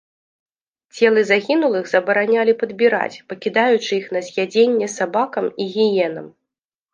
Целы загінулых забаранялі падбіраць, пакідаючы іх на з'ядзенне сабакам і гіенам.